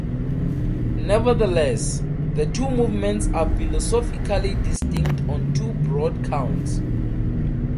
Nevertheless, the two movements are philosophically distinct on two broad counts.